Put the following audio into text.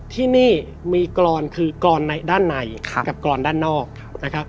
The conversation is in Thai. ที่นี่มีกรอนคือกรอนด้านในกับกรอนด้านนอกนะครับ